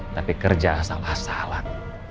tapi kerja salah salah